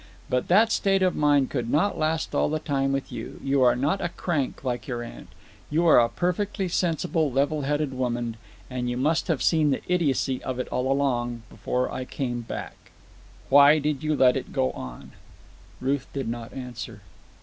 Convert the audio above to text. But that state of mind could not last all the time with you. You are not a crank like your aunt. You are a perfectly sensible, level headed woman. And you must have seen the idiocy of it all long before I came back. Why did you let it go on?" Ruth did not answer.